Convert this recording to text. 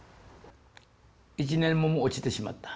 １年目も落ちてしまった。